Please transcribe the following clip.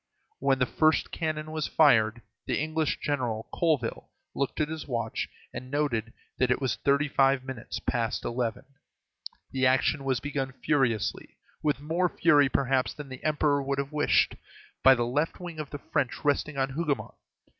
When the first cannon was fired, the English general, Colville, looked at his watch, and noted that it was thirty five minutes past eleven. The action was begun furiously, with more fury, perhaps, than the Emperor would have wished, by the left wing of the French resting on Hougomont.